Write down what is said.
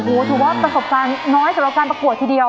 โอ้โหถือว่าประสบการณ์น้อยสำหรับการประกวดทีเดียว